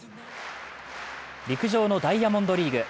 陸上のダイヤモンドリーグ。